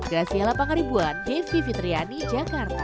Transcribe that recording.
graciala pangaribuan devi fitriani jakarta